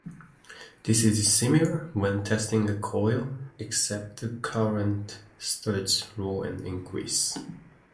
This is similar when testing a coil, except the current starts low and increases.